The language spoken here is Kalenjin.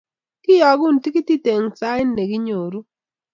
kiyookun tikitit Eng' sait ne kinyoru